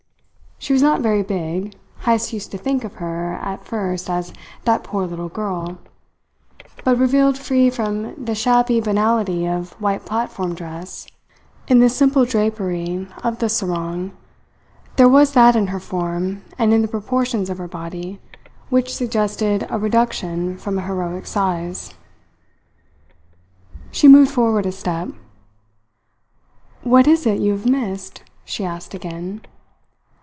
She was not very big Heyst used to think of her, at first, as "that poor little girl," but revealed free from the shabby banality of a white platform dress, in the simple drapery of the sarong, there was that in her form and in the proportions of her body which suggested a reduction from a heroic size. She moved forward a step. "What is it you have missed?" she asked again.